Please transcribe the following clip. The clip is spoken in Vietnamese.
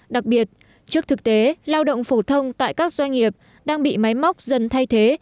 đặc biệt trước thực tế lao động phổ thông tại các doanh nghiệp đang bị máy móc dần thay thế